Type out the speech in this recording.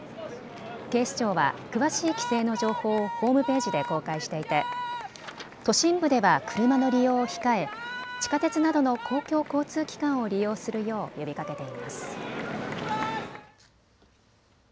警視庁は詳しい規制の情報をホームページで公開していて都心部では車の利用を控え地下鉄などの公共交通機関を利用するよう呼びかけています。